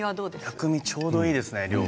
薬味ちょうどいいですね量。